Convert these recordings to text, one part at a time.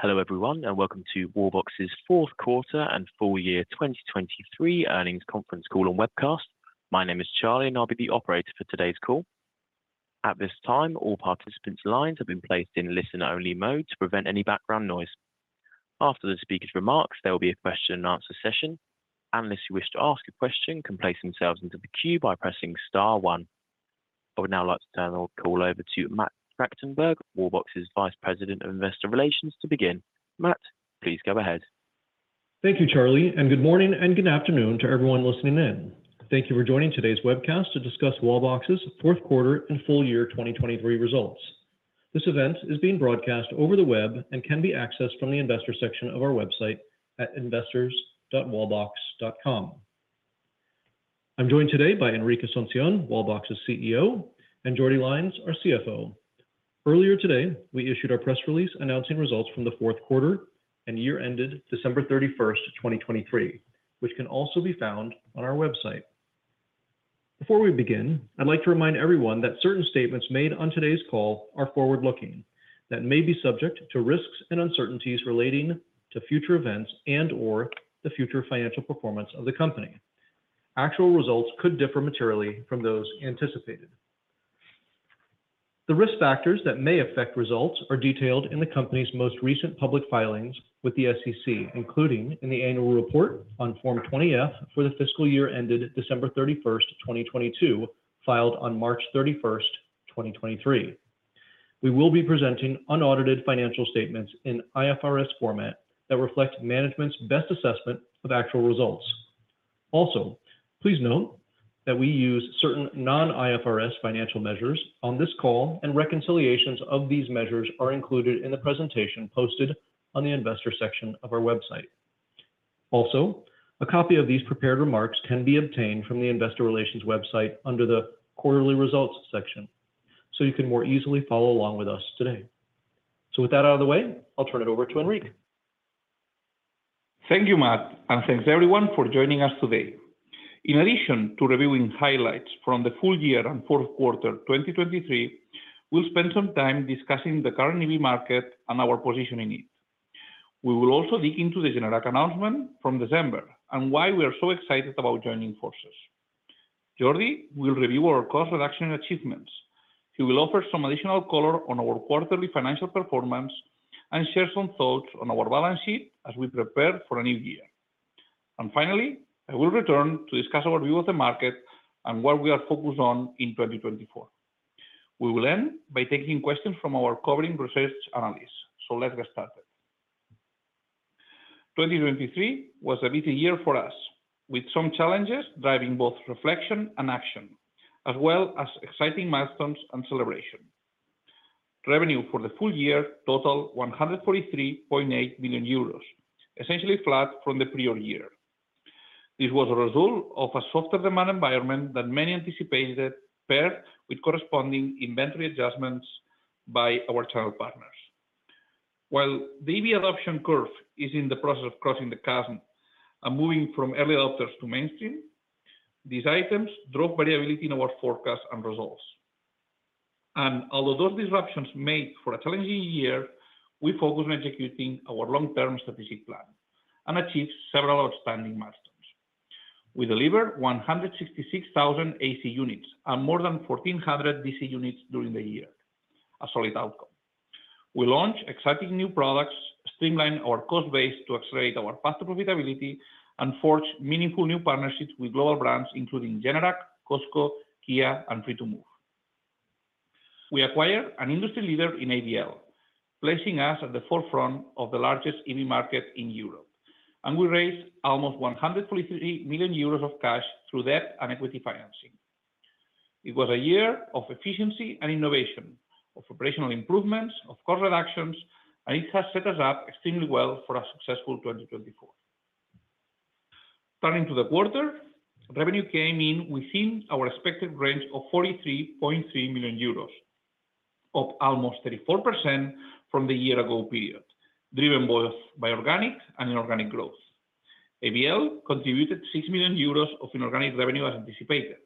Hello everyone and welcome to Wallbox's Q4 and Full Year 2023 Earnings Conference Call and Webcast. My name is Charlie and I'll be the operator for today's call. At this time, all participants' lines have been placed in listen-only mode to prevent any background noise. After the speaker's remarks, there will be a question-and-answer session. Analysts who wish to ask a question can place themselves into the queue by pressing star one. I would now like to turn the call over to Matt Tractenberg, Wallbox's Vice President of Investor Relations, to begin. Matt, please go ahead. Thank you, Charlie, and good morning and good afternoon to everyone listening in. Thank you for joining today's webcast to discuss Wallbox's Q4 and full year 2023 results. This event is being broadcast over the web and can be accessed from the investor section of our website at investors.wallbox.com. I'm joined today by Enric Asunción, Wallbox's CEO, and Jordi Lainz, our CFO. Earlier today, we issued our press release announcing results from the Q4 and year-ended 31 December 2023, which can also be found on our website. Before we begin, I'd like to remind everyone that certain statements made on today's call are forward-looking, that may be subject to risks and uncertainties relating to future events and/or the future financial performance of the company. Actual results could differ materially from those anticipated. The risk factors that may affect results are detailed in the company's most recent public filings with the SEC, including in the annual report on Form 20-F for the fiscal year-ended 31 December 2022, filed on 31 March 2023. We will be presenting unaudited financial statements in IFRS format that reflect management's best assessment of actual results. Also, please note that we use certain non-IFRS financial measures on this call and reconciliations of these measures are included in the presentation posted on the investor section of our website. Also, a copy of these prepared remarks can be obtained from the investor relations website under the quarterly results section so you can more easily follow along with us today. With that out of the way, I'll turn it over to Enric. Thank you, Matt, and thanks everyone for joining us today. In addition to reviewing highlights from the full year and Q4 2023, we'll spend some time discussing the current EV market and our position in it. We will also dig into the acquisition announcement from December and why we are so excited about joining forces. Jordi will review our cost reduction achievements. He will offer some additional color on our quarterly financial performance and share some thoughts on our balance sheet as we prepare for a new year. Finally, I will return to discuss our view of the market and what we are focused on in 2024. We will end by taking questions from our covering research analysts, so let's get started. 2023 was a busy year for us, with some challenges driving both reflection and action, as well as exciting milestones and celebration. Revenue for the full year totaled 143.8 million euros, essentially flat from the prior year. This was a result of a softer demand environment than many anticipated, paired with corresponding inventory adjustments by our channel partners. While the EV adoption curve is in the process of crossing the chasm and moving from early adopters to mainstream, these items drove variability in our forecasts and results. And although those disruptions made for a challenging year, we focused on executing our long-term strategic plan and achieved several outstanding milestones. We delivered 166,000 AC units and more than 1,400 DC units during the year, a solid outcome. We launched exciting new products, streamlined our cost base to accelerate our past profitability, and forged meaningful new partnerships with global brands, including Generac, Costco, Kia, and Free2Move. We acquired an industry leader in ABL, placing us at the forefront of the largest EV market in Europe, and we raised almost 143 million euros of cash through debt and equity financing. It was a year of efficiency and innovation, of operational improvements, of cost reductions, and it has set us up extremely well for a successful 2024. Turning to the quarter, revenue came in within our expected range of 43.3 million euros, up almost 34% from the year-ago period, driven both by organic and inorganic growth. ABL contributed 6 million euros of inorganic revenue as anticipated.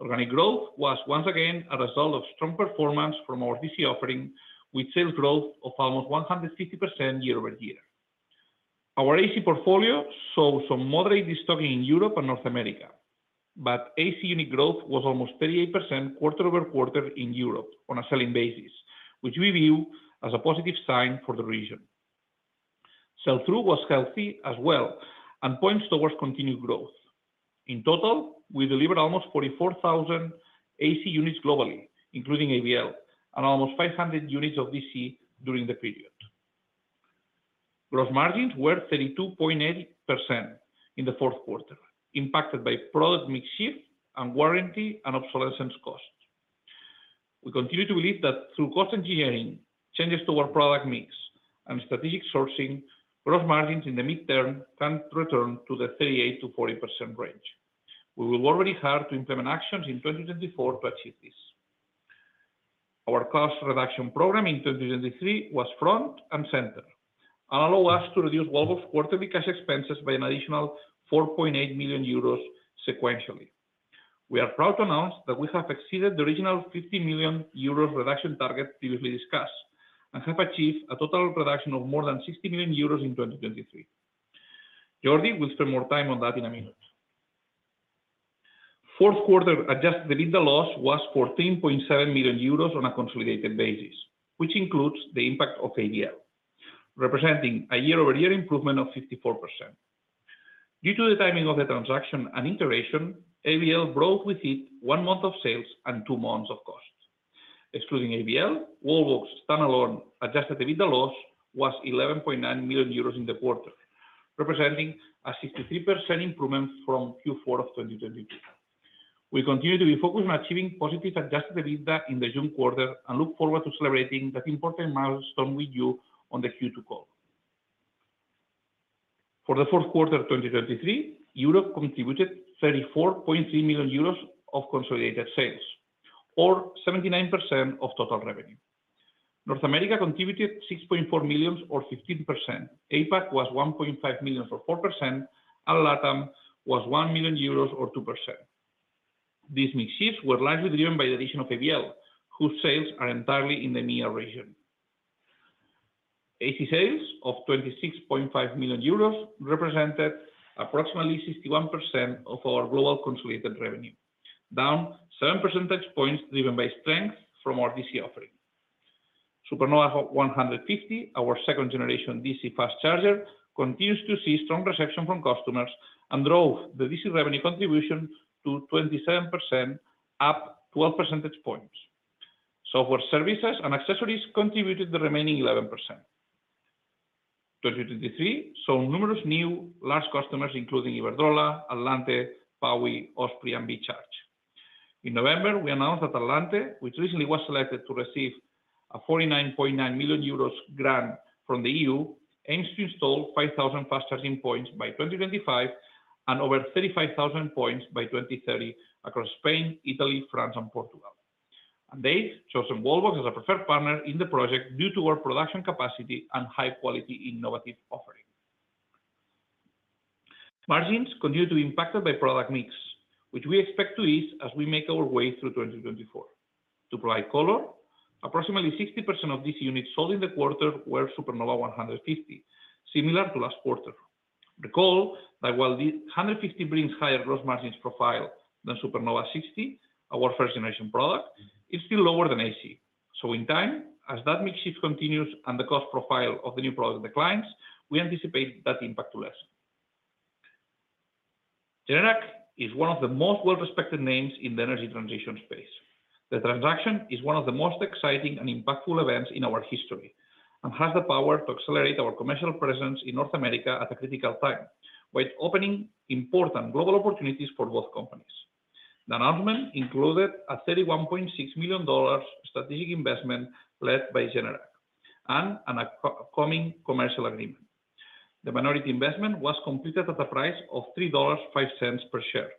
Organic growth was once again a result of strong performance from our DC offering, with sales growth of almost 150% year-over-year. Our AC portfolio showed some moderate destocking in Europe and North America, but AC unit growth was almost 38% quarter-over-quarter in Europe on a selling basis, which we view as a positive sign for the region. Sell-through was healthy as well and points towards continued growth. In total, we delivered almost 44,000 AC units globally, including ABL, and almost 500 units of DC during the period. Gross margins were 32.8% in the Q4, impacted by product mix shift and warranty and obsolescence costs. We continue to believe that through cost engineering, changes to our product mix, and strategic sourcing, gross margins in the mid-term can return to the 38% to 40% range. We will work very hard to implement actions in 2024 to achieve this. Our cost reduction program in 2023 was front and center and allowed us to reduce Wallbox quarterly cash expenses by an additional 4.8 million euros sequentially. We are proud to announce that we have exceeded the original 50 million euros reduction target previously discussed and have achieved a total reduction of more than 60 million euros in 2023. Jordi will spend more time on that in a minute. Q4 adjusted EBITDA loss was 14.7 million euros on a consolidated basis, which includes the impact of ABL, representing a year-over-year improvement of 54%. Due to the timing of the transaction and integration, ABL brought with it one month of sales and two months of costs. Excluding ABL, Wallbox standalone adjusted EBITDA loss was 11.9 million euros in the quarter, representing a 63% improvement from Q4 of 2022. We continue to be focused on achieving positive Adjusted EBITDA in the June quarter and look forward to celebrating that important milestone with you on the Q2 call. For the Q4 2023, Europe contributed 34.3 million euros of consolidated sales, or 79% of total revenue. North America contributed 6.4 million, or 15%. APAC was 1.5 million, or 4%, and LATAM was 1 million euros or 2%. These mix shifts were largely driven by the addition of ABL, whose sales are entirely in the MEA region. AC sales of 26.5 million euros represented approximately 61% of our global consolidated revenue, down 7 percentage points driven by strength from our DC offering. Supernova 150, our second-generation DC fast charger, continues to see strong reception from customers and drove the DC revenue contribution to 27%, up 12 percentage points. Software services and accessories contributed the remaining 11%. 2023 saw numerous new large customers, including Iberdrola, Atlante, PowY, Osprey, and BeCharge. In November, we announced that Atlante, which recently was selected to receive a 49.9 million euros grant from the EU, aims to install 5,000 fast charging points by 2025 and over 35,000 points by 2030 across Spain, Italy, France, and Portugal. And they've chosen Wallbox as a preferred partner in the project due to our production capacity and high-quality innovative offering. Margins continue to be impacted by product mix, which we expect to ease as we make our way through 2024. To provide color, approximately 60% of DC units sold in the quarter were Supernova 150, similar to last quarter. Recall that while the 150 brings higher gross margins profile than Supernova 60, our first-generation product, it's still lower than AC. In time, as that mix shift continues and the cost profile of the new product declines, we anticipate that impact to lessen. Generac is one of the most well-respected names in the energy transition space. The transaction is one of the most exciting and impactful events in our history and has the power to accelerate our commercial presence in North America at a critical time while opening important global opportunities for both companies. The announcement included a $31.6 million strategic investment led by Generac and an upcoming commercial agreement. The minority investment was completed at a price of $3.05 per share,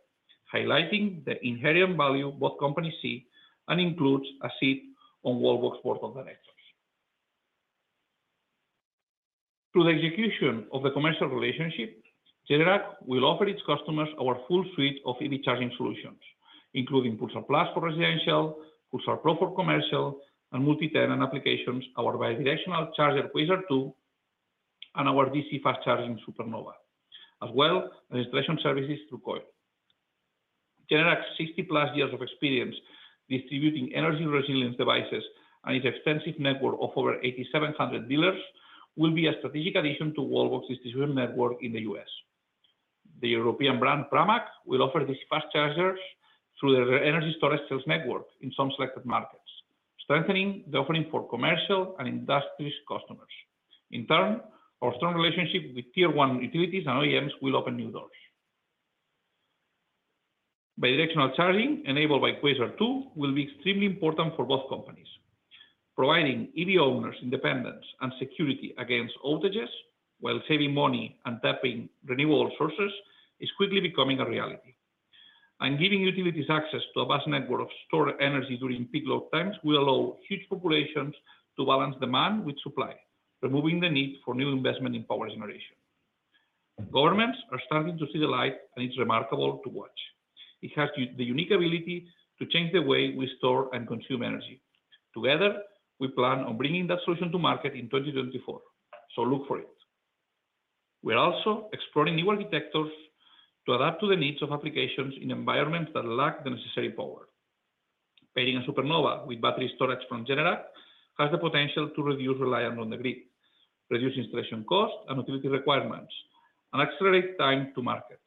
highlighting the inherent value both companies see and includes a seat on Wallbox board of directors. Through the execution of the commercial relationship, Generac will offer its customers our full suite of EV charging solutions, including Pulsar Plus for residential, Pulsar Pro for commercial, and multi-tenant and applications, our bi-directional charger Quasar 2, and our DC fast charging Supernova, as well as installation services through COIL. Generac's 60+ years of experience distributing energy resilience devices and its extensive network of over 8,700 dealers will be a strategic addition to Wallbox's distribution network in the US The European brand Pramac will offer DC fast chargers through their energy storage sales network in some selected markets, strengthening the offering for commercial and industries customers. In turn, our strong relationship with tier-one utilities and OEMs will open new doors. Bi-directional charging enabled by Quasar 2 will be extremely important for both companies. Providing EV owners independence and security against outages while saving money and tapping renewable sources is quickly becoming a reality. Giving utilities access to a vast network of stored energy during peak load times will allow huge populations to balance demand with supply, removing the need for new investment in power generation. Governments are starting to see the light, and it's remarkable to watch. It has the unique ability to change the way we store and consume energy. Together, we plan on bringing that solution to market in 2024, so look for it. We are also exploring new architectures to adapt to the needs of applications in environments that lack the necessary power. Pairing a Supernova with battery storage from Generac has the potential to reduce reliance on the grid, reduce installation costs and utility requirements, and accelerate time to market.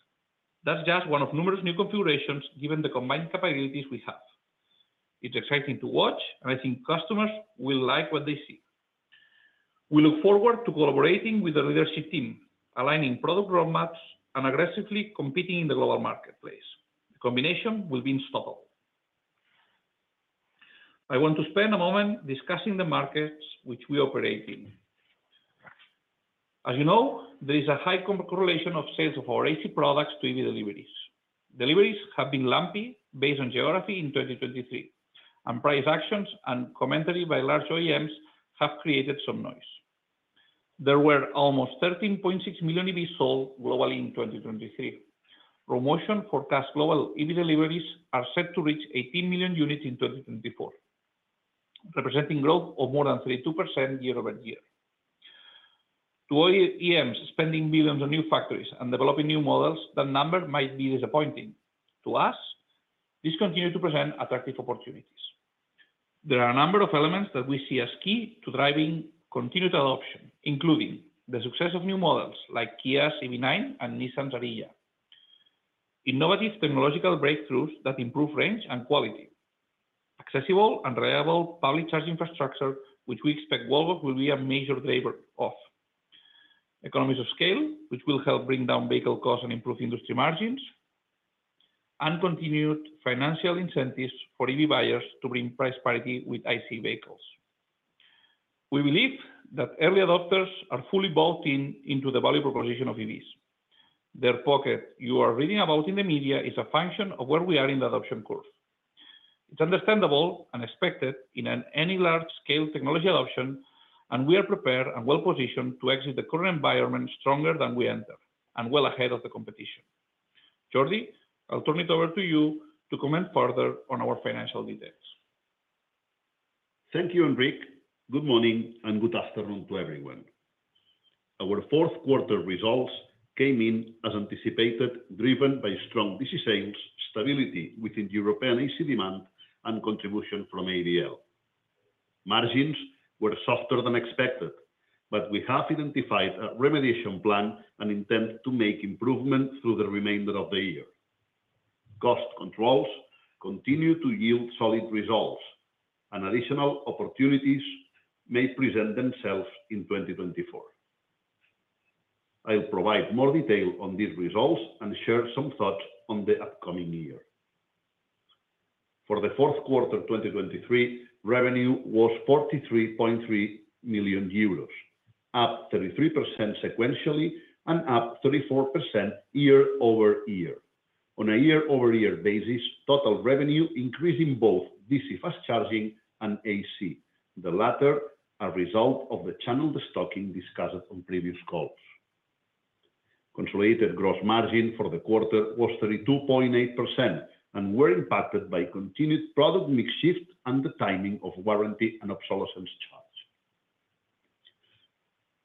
That's just one of numerous new configurations given the combined capabilities we have. It's exciting to watch, and I think customers will like what they see. We look forward to collaborating with the leadership team, aligning product roadmaps and aggressively competing in the global marketplace. The combination will be unstoppable. I want to spend a moment discussing the markets which we operate in. As you know, there is a high correlation of sales of our AC products to EV deliveries. Deliveries have been lumpy based on geography in 2023, and price actions and commentary by large OEMs have created some noise. There were almost 13.6 million EVs sold globally in 2023. Rho Motion forecasts global EV deliveries are set to reach 18 million units in 2024, representing growth of more than 32% year-over-year. To OEMs spending billions on new factories and developing new models, that number might be disappointing. To us, these continue to present attractive opportunities. There are a number of elements that we see as key to driving continued adoption, including the success of new models like Kia's EV9 and Nissan's Ariya, innovative technological breakthroughs that improve range and quality, accessible and reliable public charge infrastructure, which we expect Wallbox will be a major driver of, economies of scale, which will help bring down vehicle costs and improve industry margins, and continued financial incentives for EV buyers to bring price parity with IC vehicles. We believe that early adopters are fully bought into the value proposition of EVs. The pushback you're reading about in the media is a function of where we are in the adoption course. It's understandable and expected in any large-scale technology adoption, and we are prepared and well-positioned to exit the current environment stronger than we enter and well ahead of the competition. Jordi, I'll turn it over to you to comment further on our financial details. Thank you, Enric. Good morning and good afternoon to everyone. Our Q4 results came in as anticipated, driven by strong DC sales, stability within European AC demand, and contribution from ABL. Margins were softer than expected, but we have identified a remediation plan and intend to make improvement through the remainder of the year. Cost controls continue to yield solid results, and additional opportunities may present themselves in 2024. I'll provide more detail on these results and share some thoughts on the upcoming year. For the Q4 2023, revenue was 43.3 million euros, up 33% sequentially and up 34% year-over-year. On a year-over-year basis, total revenue increased in both DC fast charging and AC. The latter are a result of the channel distocking discussed on previous calls. Consolidated gross margin for the quarter was 32.8%, and we're impacted by continued product mix shift and the timing of warranty and obsolescence charge.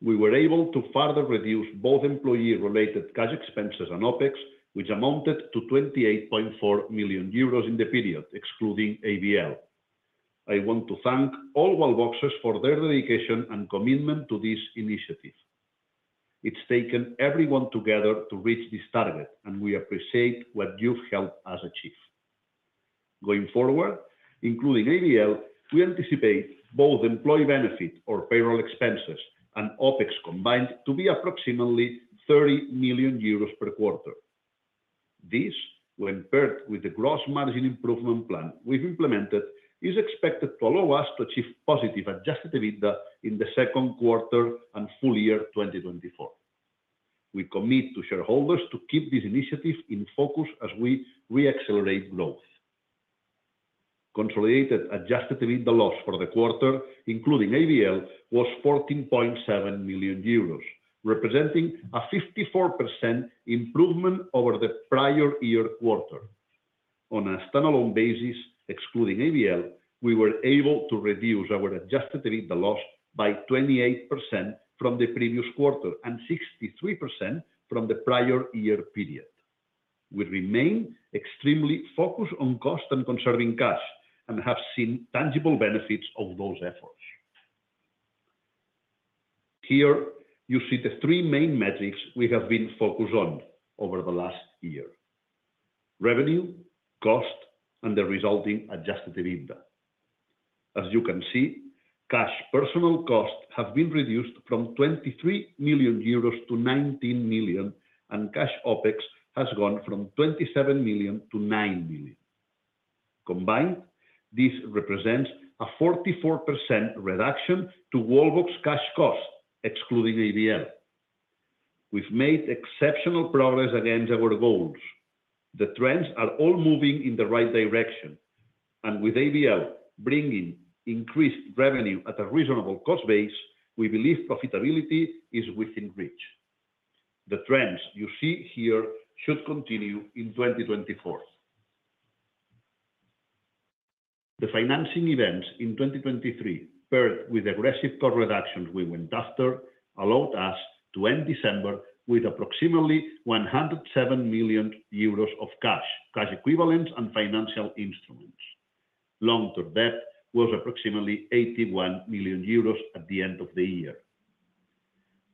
We were able to further reduce both employee-related cash expenses and OPEX, which amounted to 28.4 million euros in the period excluding ABL. I want to thank all Wallboxes for their dedication and commitment to this initiative. It's taken everyone together to reach this target, and we appreciate what you've helped us achieve. Going forward, including ABL, we anticipate both employee benefit or payroll expenses and OPEX combined to be approximately 30 million euros per quarter. This, when paired with the gross margin improvement plan we've implemented, is expected to allow us to achieve positive adjusted EBITDA in the Q2 and full year 2024. We commit to shareholders to keep this initiative in focus as we reaccelerate growth. Consolidated adjusted EBITDA loss for the quarter, including ABL, was 14.7 million euros, representing a 54% improvement over the prior-year quarter. On a standalone basis, excluding ABL, we were able to reduce our adjusted EBITDA loss by 28% from the previous quarter and 63% from the prior-year period. We remain extremely focused on cost and conserving cash and have seen tangible benefits of those efforts. Here, you see the three main metrics we have been focused on over the last year: revenue, cost, and the resulting adjusted EBITDA. As you can see, cash personal costs have been reduced from 23 to 19 million, and cash OPEX has gone from 27 to 9 million. Combined, this represents a 44% reduction to Wallbox cash cost, excluding ABL. We've made exceptional progress against our goals. The trends are all moving in the right direction, and with ABL bringing increased revenue at a reasonable cost base, we believe profitability is within reach. The trends you see here should continue in 2024. The financing events in 2023, paired with aggressive cost reductions we went after, allowed us to end December with approximately 107 million euros of cash, cash equivalents, and financial instruments. Long-term debt was approximately 81 million euros at the end of the year.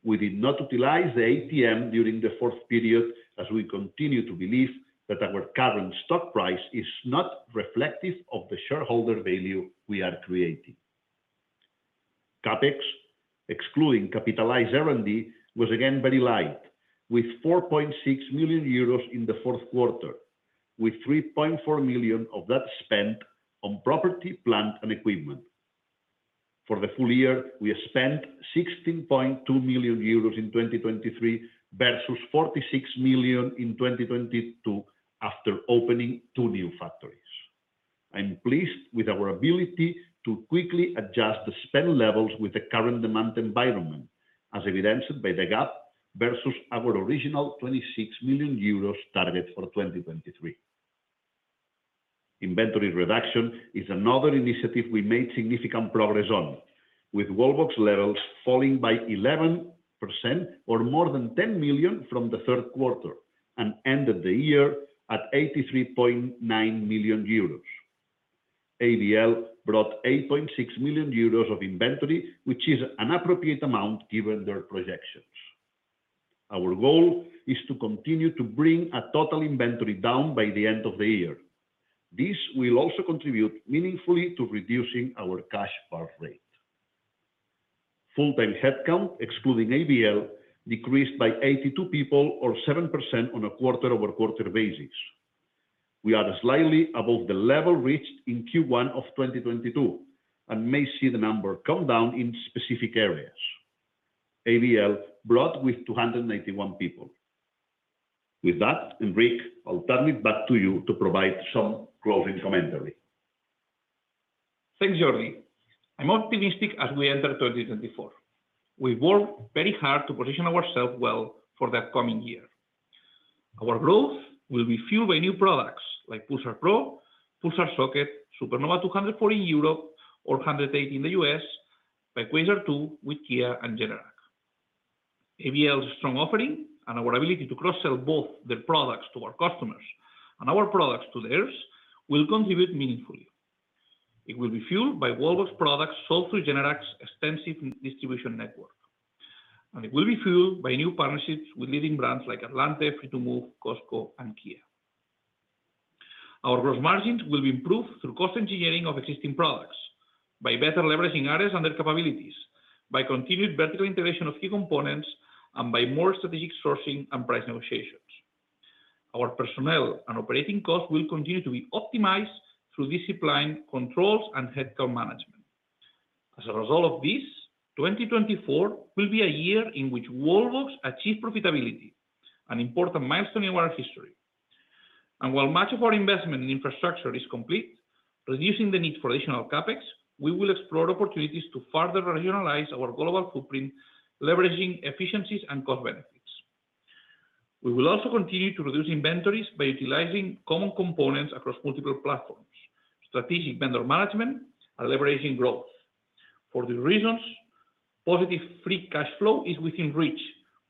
We did not utilize the ATM during the fourth period, as we continue to believe that our current stock price is not reflective of the shareholder value we are creating. CapEx, excluding capitalized R&D, was again very light, with 4.6 million euros in the Q4, with 3.4 million of that spent on property, plant, and equipment. For the full year, we spent 16.2 million euros in 2023 versus 46 million in 2022 after opening two new factories. I'm pleased with our ability to quickly adjust the spend levels with the current demand environment, as evidenced by the gap versus our original 26 million euros target for 2023. Inventory reduction is another initiative we made significant progress on, with Wallbox levels falling by 11% or more than 10 million from the Q3 and ended the year at 83.9 million euros. ABL brought 8.6 million euros of inventory, which is an appropriate amount given their projections. Our goal is to continue to bring a total inventory down by the end of the year. This will also contribute meaningfully to reducing our cash burn rate. Full-time headcount, excluding ABL, decreased by 82 people or 7% on a quarter-over-quarter basis. We are slightly above the level reached in Q1 of 2022 and may see the number come down in specific areas. ABL brought with 291 people. With that, Enric, I'll turn it back to you to provide some closing commentary. Thanks, Jordi. I'm optimistic as we enter 2024. We've worked very hard to position ourselves well for the upcoming year. Our growth will be fueled by new products like Pulsar Pro, Pulsar Socket, Supernova 240 in Europe or 180 in the US, by Quasar 2 with Kia and Generac. ABL's strong offering and our ability to cross-sell both their products to our customers and our products to theirs will contribute meaningfully. It will be fueled by Wallbox products sold through Generac's extensive distribution network, and it will be fueled by new partnerships with leading brands like Atlante, Free2Move, Costco, and Kia. Our gross margins will be improved through cost engineering of existing products, by better leveraging ABL and their capabilities, by continued vertical integration of key components, and by more strategic sourcing and price negotiations. Our personnel and operating costs will continue to be optimized through disciplined controls and headcount management. As a result of this, 2024 will be a year in which Wallbox achieves profitability, an important milestone in our history. While much of our investment in infrastructure is complete, reducing the need for additional CapEx, we will explore opportunities to further regionalize our global footprint, leveraging efficiencies and cost benefits. We will also continue to reduce inventories by utilizing common components across multiple platforms, strategic vendor management, and leveraging growth. For these reasons, positive free cash flow is within reach,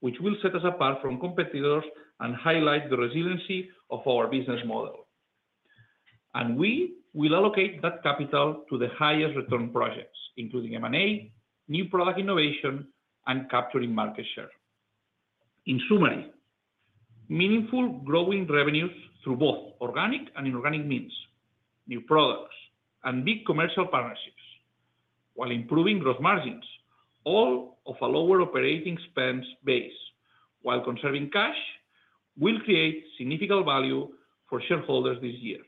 which will set us apart from competitors and highlight the resiliency of our business model. We will allocate that capital to the highest return projects, including M&A, new product innovation, and capturing market share. In summary, meaningful growing revenues through both organic and inorganic means, new products, and big commercial partnerships, while improving gross margins, all of a lower operating spend base, while conserving cash, will create significant value for shareholders this year.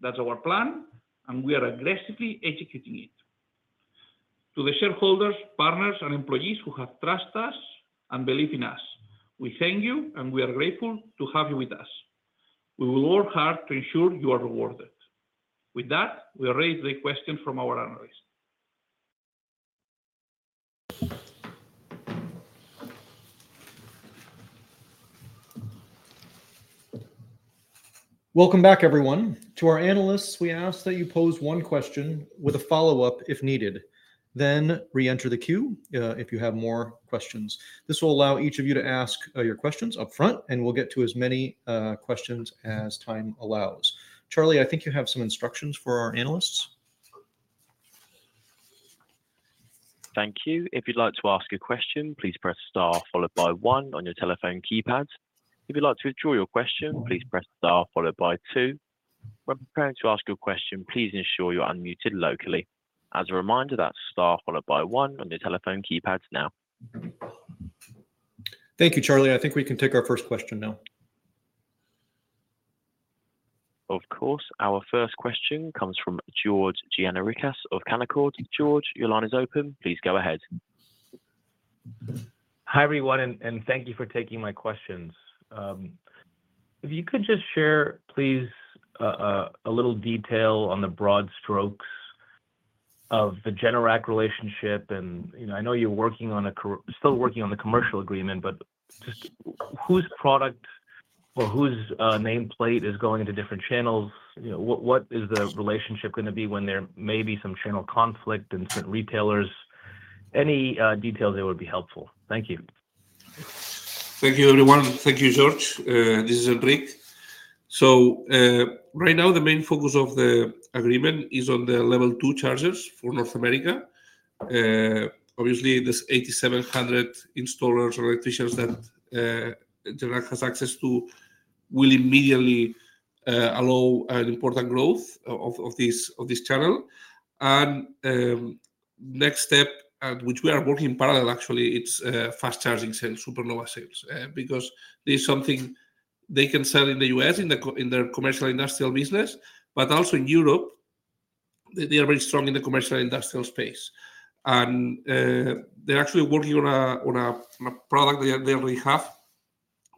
That's our plan, and we are aggressively executing it. To the shareholders, partners, and employees who have trusted us and believed in us, we thank you, and we are grateful to have you with us. We will work hard to ensure you are rewarded. With that, we are ready to take questions from our analysts. Welcome back, everyone. To our analysts, we ask that you pose one question with a follow-up if needed. Then reenter the queue if you have more questions. This will allow each of you to ask your questions upfront, and we'll get to as many questions as time allows. Charlie, I think you have some instructions for our analysts. Thank you. If you'd like to ask a question, please press star followed by one on your telephone keypad. If you'd like to withdraw your question, please press star followed by two. When preparing to ask your question, please ensure you're unmuted locally. As a reminder, that's star followed by one on your telephone keypad now. Thank you, Charlie. I think we can take our first question now. Of course. Our first question comes from George Gianarikas of Canaccord. George, your line is open. Please go ahead. Hi, everyone, and thank you for taking my questions. If you could just share, please, a little detail on the broad strokes of the Generac relationship. And I know you're still working on the commercial agreement, but just whose product or whose nameplate is going into different channels? What is the relationship going to be when there may be some channel conflict and certain retailers? Any details that would be helpful. Thank you. Thank you, everyone. Thank you, George. This is Enric. So right now, the main focus of the agreement is on the Level 2 chargers for North America. Obviously, the 8,700 installers or electricians that Generac has access to will immediately allow an important growth of this channel. Next step, which we are working in parallel, actually, it's fast charging sells, Supernova sells, because this is something they can sell in the US in their commercial industrial business, but also in Europe, they are very strong in the commercial industrial space. And they're actually working on a product they already have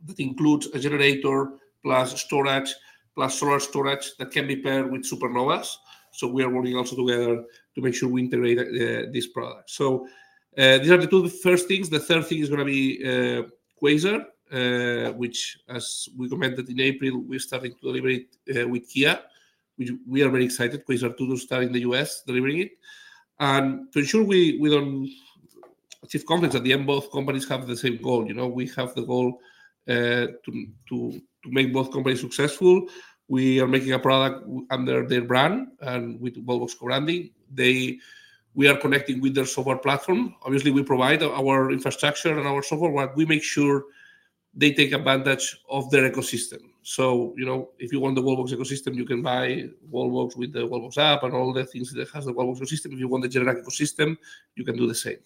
that includes a generator plus storage plus solar storage that can be paired with Supernovas. So we are working also together to make sure we integrate these products. So these are the two first things. The third thing is going to be Quasar, which, as we commented in April, we're starting to deliver it with Kia, which we are very excited. Quasar 2 is starting in the US delivering it. To ensure we don't achieve conflicts at the end, both companies have the same goal. We have the goal to make both companies successful. We are making a product under their brand and with Wallbox co-branding. We are connecting with their software platform. Obviously, we provide our infrastructure and our software, but we make sure they take advantage of their ecosystem. So if you want the Wallbox ecosystem, you can buy Wallbox with the Wallbox app and all the things that has the Wallbox ecosystem. If you want the Generac ecosystem, you can do the same.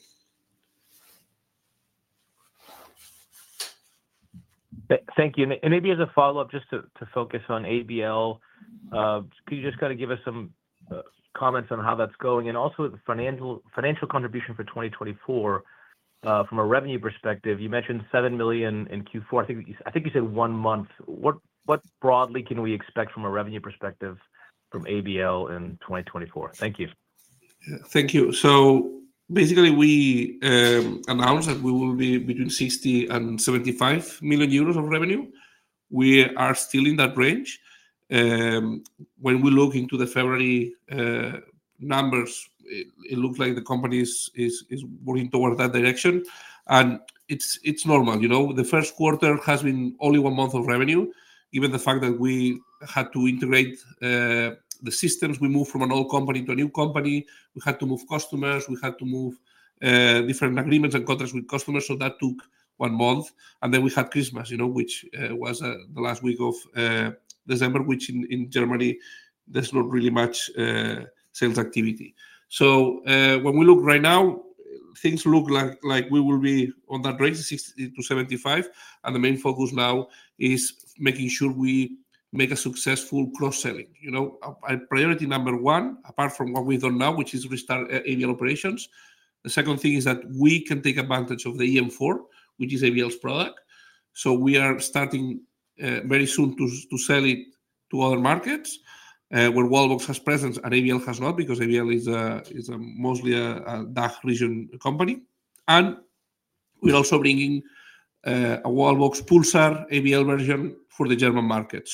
Thank you. Maybe as a follow-up, just to focus on ABL, could you just kind of give us some comments on how that's going? Also, the financial contribution for 2024, from a revenue perspective, you mentioned 7 million in Q4. I think you said one month. What broadly can we expect from a revenue perspective from ABL in 2024? Thank you. Thank you. So basically, we announced that we will be between 60 and 75 million of revenue. We are still in that range. When we look into the February numbers, it looks like the company is working towards that direction. And it's normal. The Q1 has been only one month of revenue, given the fact that we had to integrate the systems. We moved from an old company to a new company. We had to move customers. We had to move different agreements and contracts with customers. So that took one month. And then we had Christmas, which was the last week of December, which in Germany, there's not really much sales activity. So when we look right now, things look like we will be on that range, 60 to 75 million. The main focus now is making sure we make a successful cross-selling. Priority number one, apart from what we've done now, which is restart ABL operations. The second thing is that we can take advantage of the eM4, which is ABL's product. So we are starting very soon to sell it to other markets where Wallbox has presence and ABL has not, because ABL is mostly a DACH region company. And we're also bringing a Wallbox Pulsar ABL version for the German market.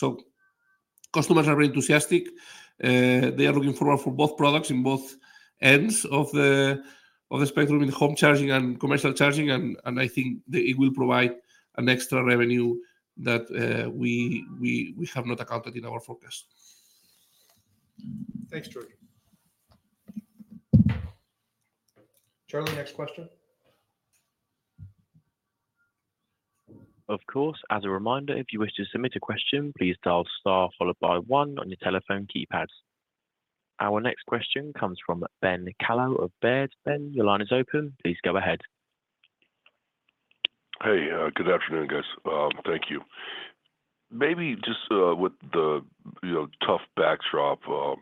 So customers are very enthusiastic. They are looking forward to both products in both ends of the spectrum, in home charging and commercial charging. And I think it will provide an extra revenue that we have not accounted for in our forecast. Thanks, George. Charlie, next question. Of course. As a reminder, if you wish to submit a question, please dial star followed by one on your telephone keypad. Our next question comes from Ben Kallo of Baird. Ben, your line is open. Please go ahead. Hey. Good afternoon, guys. Thank you. Maybe just with the tough backdrop for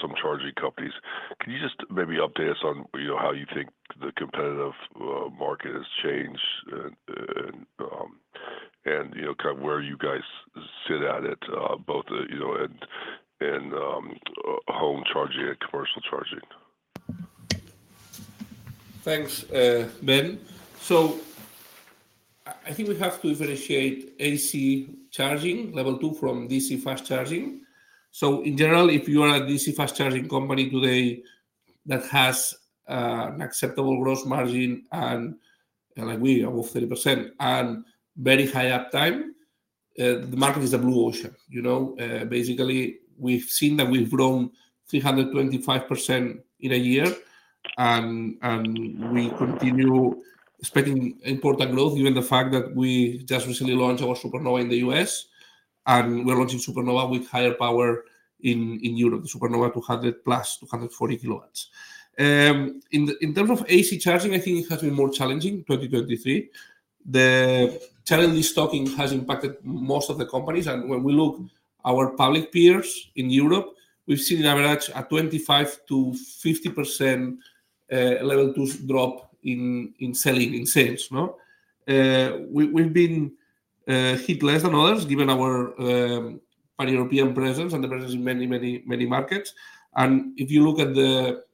some charging companies, can you just maybe update us on how you think the competitive market has changed and kind of where you guys sit at it, both in home charging and commercial charging? Thanks, Ben. So I think we have to differentiate AC charging, Level 2, from DC fast charging. So in general, if you are a DC fast charging company today that has an acceptable gross margin, and like we, above 30%, and very high uptime, the market is a blue ocean. Basically, we've seen that we've grown 325% in a year, and we continue expecting important growth, given the fact that we just recently launched our Supernova in the US And we're launching Supernova with higher power in Europe, the Supernova 200 plus, 240 kW. In terms of AC charging, I think it has been more challenging, 2023. The channel destocking has impacted most of the companies. And when we look at our public peers in Europe, we've seen an average of 25% to 50% Level 2 drop in sales, in sales. We've been hit less than others, given our pan-European presence and the presence in many, many, many markets. And if you look at the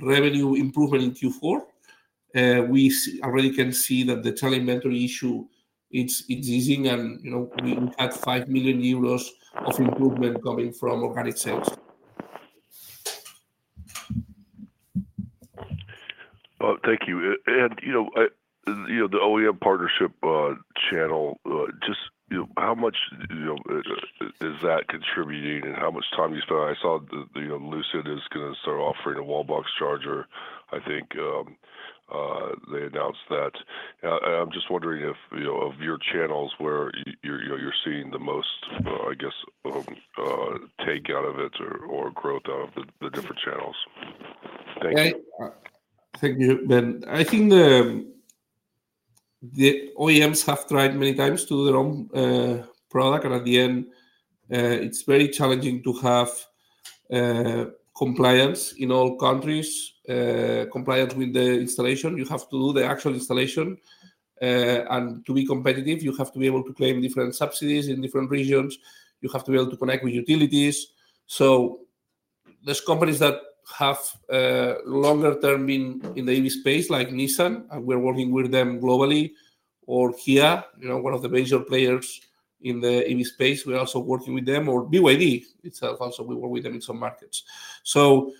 revenue improvement in Q4, we already can see that the channel destocking issue, it's easing. And we had 5 million euros of improvement coming from organic sales. Thank you. The OEM partnership channel, just how much is that contributing and how much time you spend? I saw Lucid is going to start offering a Wallbox charger. I think they announced that. I'm just wondering of your channels where you're seeing the most, I guess, take out of it or growth out of the different channels. Thank you. Thank you, Ben. I think the OEMs have tried many times to do their own product. And at the end, it's very challenging to have compliance in all countries, compliance with the installation. You have to do the actual installation. And to be competitive, you have to be able to claim different subsidies in different regions. You have to be able to connect with utilities. So there's companies that have longer-term been in the EV space, like Nissan. We're working with them globally. Or Kia, one of the major players in the EV space. We're also working with them. Or BYD itself also. We work with them in some markets. So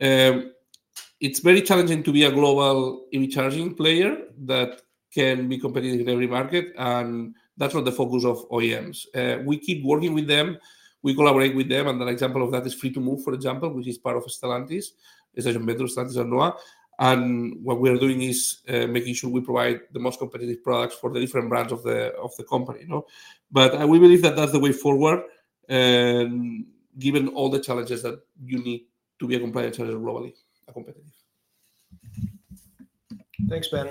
it's very challenging to be a global EV charging player that can be competitive in every market. And that's not the focus of OEMs. We keep working with them. We collaborate with them. And an example of that is Free2Move, for example, which is part of Stellantis, Estation Metro, Stellantis, and NHOA. And what we are doing is making sure we provide the most competitive products for the different brands of the company. But we believe that that's the way forward, given all the challenges that you need to be a compliant charger, globally, a competitive. Thanks, Ben.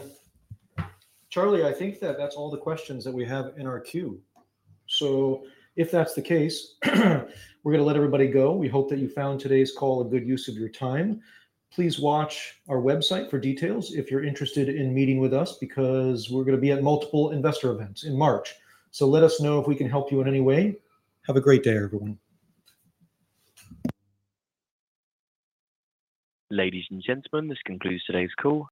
Charlie, I think that that's all the questions that we have in our queue. If that's the case, we're going to let everybody go. We hope that you found today's call a good use of your time. Please watch our website for details if you're interested in meeting with us, because we're going to be at multiple investor events in March. Let us know if we can help you in any way. Have a great day, everyone. Ladies and gentlemen, this concludes today's call.